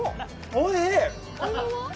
おいしい！